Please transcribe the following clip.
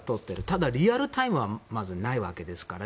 ただ、リアルタイムはまずないわけですから。